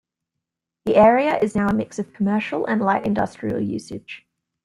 The area is now a mix of commercial and light industrial usage.